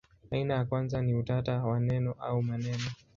Aina ya kwanza ni utata wa neno au maneno.